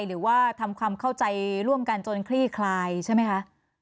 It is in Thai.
หรือว่าทำความเข้าใจร่วมกันจนคลี่คลายใช่ไหมคะ